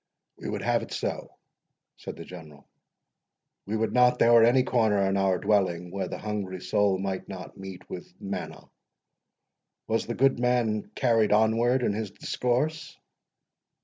"We would have it so," said the General; "we would not there were any corner in our dwelling where the hungry soul might not meet with manna. Was the good man carried onward in his discourse?"